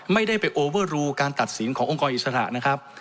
ไม่ได้ไปโอเวอร์รูการตัดสินขององค์กรอิสระนะครับ